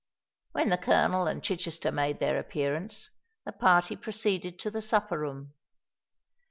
When the Colonel and Chichester made their appearance, the party proceeded to the supper room.